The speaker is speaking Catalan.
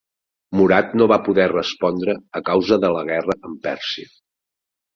Murat no va poder respondre a causa de la guerra amb Pèrsia.